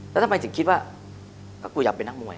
แล้วทำไมถึงคิดว่ากูอยากเป็นนักมวย